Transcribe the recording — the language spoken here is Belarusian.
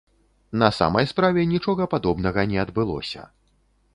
На самай справе, нічога падобнага не адбылося.